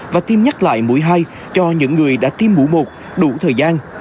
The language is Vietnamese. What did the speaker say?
và tiêm nhắc lại mũi hai cho những người đã tiêm mũi một đủ thời gian